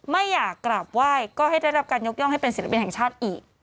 ไม่อยากกราบไหว้ก็ให้ได้รับการยกย่องให้เป็นศิลปินแห่งชาติอีก